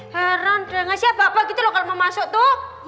heran dengan siapa apa gitu loh kalau mau masuk tuh